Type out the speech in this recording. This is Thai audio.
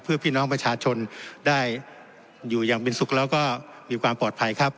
เพื่อพี่น้องประชาชนได้อยู่อย่างเป็นสุขแล้วก็มีความปลอดภัยครับ